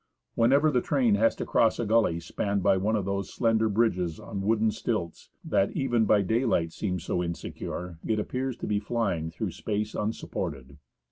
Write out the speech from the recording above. Whenever the train has to cross a gully spanned by one of those slender bridges on wooden stilts, that even by daylight seem so insecure, it appears to be flying through space unsupported.